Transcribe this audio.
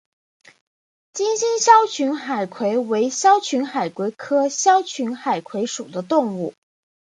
金星鞘群海葵为鞘群海葵科鞘群海葵属的动物。